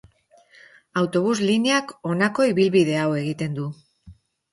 Autobus lineak honako ibilbide hau egiten du.